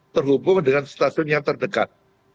terhubung dengan stasiun yang terdekat